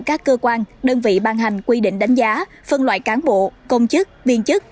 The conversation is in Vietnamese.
các cơ quan đơn vị ban hành quy định đánh giá phân loại cán bộ công chức viên chức